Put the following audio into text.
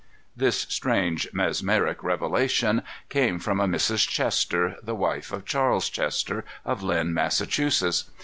This strange mesmeric revelation came from a Mrs. Chester, the wife of Charles Chester, of Lynn, Massachusetts.